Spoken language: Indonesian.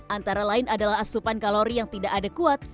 antara lain adalah asupan kalori yang tidak adekuat